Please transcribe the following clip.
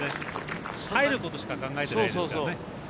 入ることしか考えてないですよね。